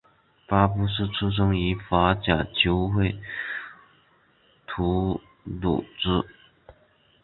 巴夫斯出身于法甲球会图卢兹。